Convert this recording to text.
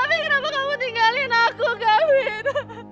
gafin kenapa kamu tinggalin aku gafin